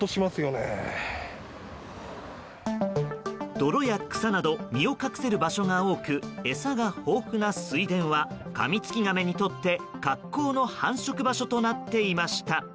泥や草など身を隠せる場所が多く餌が豊富な水田はカミツキガメにとって格好の繁殖場所となっていました。